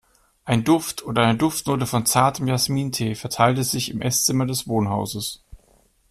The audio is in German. Ein Duft oder eine Duftnote von zartem Jasmintee verteilte sich im Esszimmer des Wohnhauses.